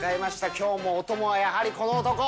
きょうもお供はやはりこの男。